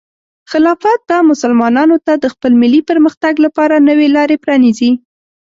خلافت به مسلمانانو ته د خپل ملي پرمختګ لپاره نوې لارې پرانیزي.